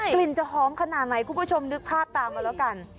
กลิ่นจะหอมขนาดไหนคุณผู้ชมนึกภาพตามมาแล้วกัน